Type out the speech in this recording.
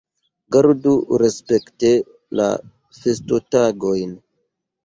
Gardu respekte la festotagojn.